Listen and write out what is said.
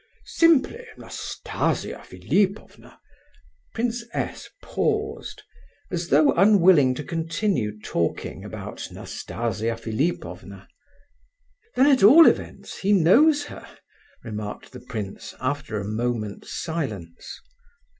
Simply Nastasia Philipovna—" Prince S. paused, as though unwilling to continue talking about Nastasia Philipovna. "Then at all events he knows her!" remarked the prince, after a moment's silence.